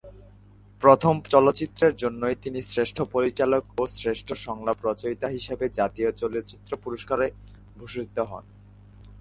প্রথম চলচ্চিত্রের জন্যই তিনি শ্রেষ্ঠ পরিচালক ও শ্রেষ্ঠ সংলাপ রচয়িতা হিসেবে জাতীয় চলচ্চিত্র পুরস্কারে ভূষিত হন।